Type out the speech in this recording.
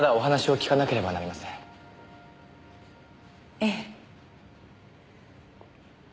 ええ。